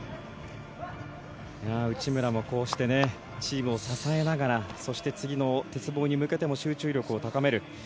内村もこうしてチームを支えながらそして、次の鉄棒に向けても集中力を高める。